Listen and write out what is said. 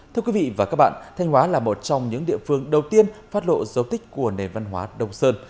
thưa quý vị và các bạn thanh hóa là một trong những địa phương đầu tiên phát lộ dấu tích của nền văn hóa đông sơn